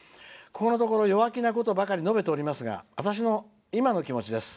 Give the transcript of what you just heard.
ここのところ弱気なことばかり述べていますが私の今の気持ちです。